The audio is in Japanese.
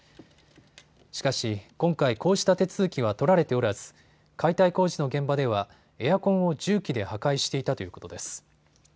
しかし、今回、こうした手続きは取られておらず解体工事の現場ではエアコンを重機で破壊していたということです。